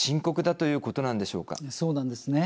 そうなんですね。